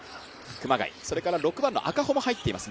６番の赤穂も入っています